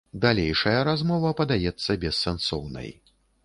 Далейшая размова падаецца бессэнсоўнай.